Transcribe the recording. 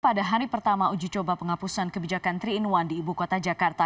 pada hari pertama uji coba penghapusan kebijakan tiga in satu di ibu kota jakarta